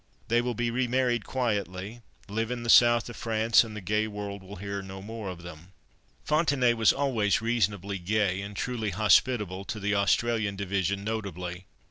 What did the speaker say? They will be remarried quietly, live in the south of France, and the gay world will hear no more of them." Fontenaye was always reasonably gay and truly hospitable; to the Australian division notably.